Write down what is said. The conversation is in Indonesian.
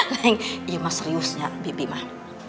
neng iya mah serius ya bibi mah